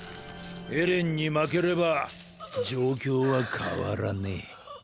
エレンに負ければ状況は変わらねぇ。